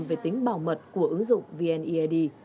về tính bảo mật của ứng dụng vnead